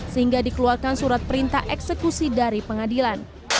sehingga dikeluarkan surat perintah eksekusi dari pengadilan